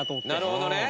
なるほどね。